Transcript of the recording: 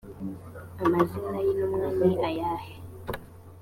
amazina y intumwa ni ayahe